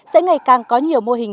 sẽ ngày càng có nhiều mô hình